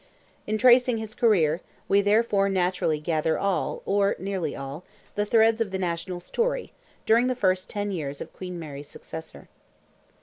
In tracing his career, we therefore naturally gather all, or nearly all, the threads of the national story, during the first ten years of Queen Mary's successor.